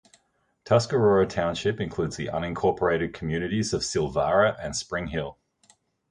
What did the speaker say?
Tuscarora Township includes the unincorporated communities of Silvara and Spring Hill.